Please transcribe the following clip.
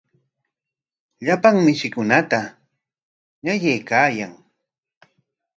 Llapan mishikunata ñawyaykaayan.